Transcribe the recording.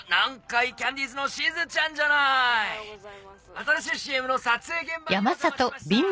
新しいＣＭの撮影現場にお邪魔しました！